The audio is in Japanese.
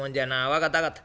分かった分かった。